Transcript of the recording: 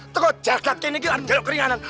toko jagad kini kan ada jadwal keringanan